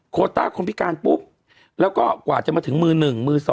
โคต้าคนพิการปุ๊บแล้วก็กว่าจะมาถึงมือ๑มือ๒